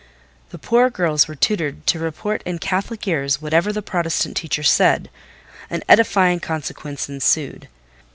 The poor girls were tutored to report in Catholic ears whatever the Protestant teacher said. An edifying consequence ensued.